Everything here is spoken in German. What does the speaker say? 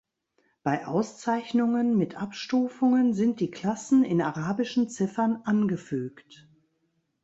Bei Auszeichnungen mit Abstufungen sind die Klassen in arabischen Ziffern angefügt.